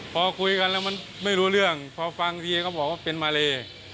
พอคุยกันแล้วมันไม่รู้เรื่องพอฟังทีก็บอกว่าเป็นมาเล